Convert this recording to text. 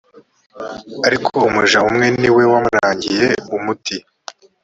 ariko umuja umwe niwe wamurangiye umuti